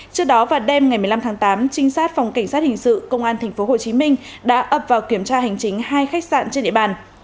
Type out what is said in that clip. trước đó vào đêm ngày một mươi năm tháng tám trinh sát phòng cảnh sát hình sự công an tp hcm đã ập vào kiểm tra hành chính hai khách sạn trên địa bàn